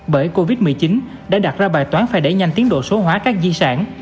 bởi covid một mươi chín đã đặt ra bài toán phải đẩy nhanh tiến độ số hóa các di sản